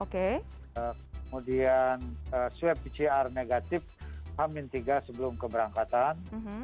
kemudian swab pcr negatif hamin tiga sebelum keberangkatan